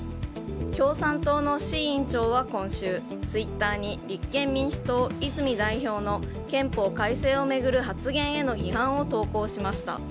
共産党の志位委員長は今週ツイッターに立憲民主党、泉代表の憲法改正を巡る発言への批判を投稿しました。